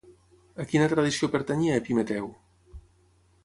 A quina tradició pertanyia Epimeteu?